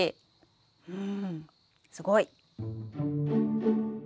うんすごい！